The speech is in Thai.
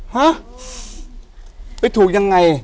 ฮะไปถูกยังไง